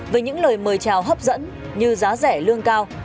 với những lời mời chào hấp dẫn như giá rẻ lương cao